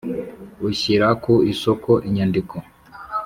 Ushyira ku isoko inyandiko